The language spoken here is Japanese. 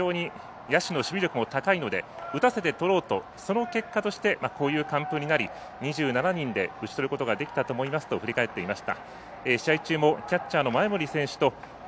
野手の守備力も高いので打たせてとろうということの結果としてこういう完封となり２７人を打ち取ることができたと思いますと振り返っていました。